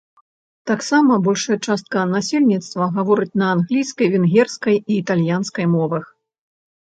Таксама большая частка насельніцтва гаворыць на англійскай, венгерскай і італьянскай мовах.